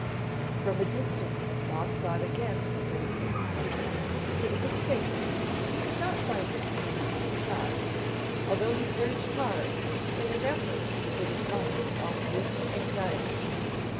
From a distance Bob thought again that he heard a plane, but it was faint and he could not find it anywhere in the sky, although he searched hard, in an effort to get his mind off this anxiety.